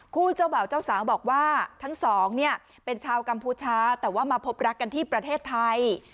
เจ้าบ่าวเจ้าสาวบอกว่าทั้งสองเนี่ยเป็นชาวกัมพูชาแต่ว่ามาพบรักกันที่ประเทศไทย